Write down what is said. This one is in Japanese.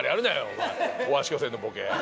お前大橋巨泉のボケ。